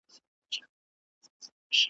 له مانه کیږي دا لاري په سکروټو کي مزلونه .